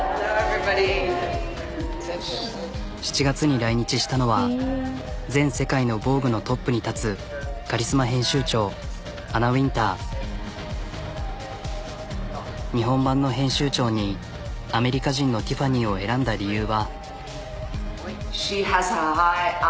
７月に来日したのは全世界の「ＶＯＧＵＥ」のトップに立つカリスマ日本版の編集長にアメリカ人のティファニーを選んだ理由は。